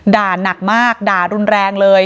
ด่านักมากด่ารุนแรงเลย